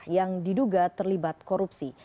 yang diduga terlibat korupsi